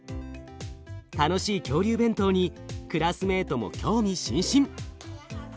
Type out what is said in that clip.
楽しい恐竜弁当にクラスメートも興味津々。